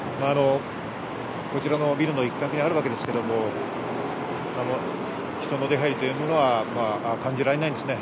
こちらのビルの一角にあるわけですけれども、人の出入りというものは感じられないですね。